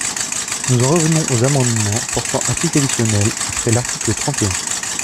Nous en revenons aux amendements portant articles additionnels après l’article trente et un.